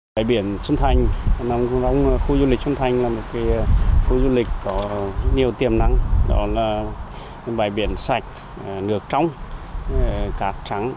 bài biển xuân thành khu du lịch xuân thành là một khu du lịch có nhiều tiềm năng đó là bài biển sạch nước trong cát trắng